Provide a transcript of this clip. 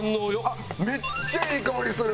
あっめっちゃいい香りする！